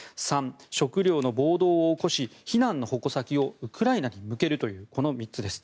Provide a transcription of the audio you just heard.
３、食糧の暴動を起こし非難の矛先をウクライナに向けるというこの３つです。